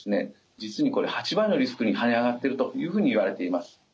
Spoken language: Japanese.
実にこれ８倍のリスクに跳ね上がってるというふうにいわれています。